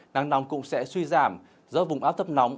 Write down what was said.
nắng nóng cũng sẽ suy giảm do vùng áp thấp nóng